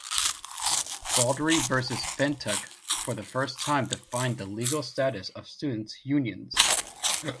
"Baldry versus Feintuck" for the first time defined the legal status of students' unions.